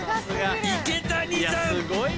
池谷さん！